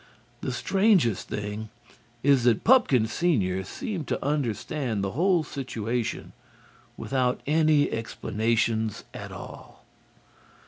The strangest thing is that Pupkin senior seemed to understand the whole situation without any explanations at all.